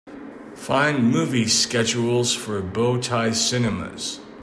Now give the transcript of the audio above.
Find movie schedules for Bow Tie Cinemas.